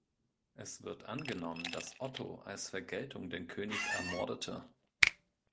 Es wird angenommen, dass Otto als Vergeltung den König ermordete.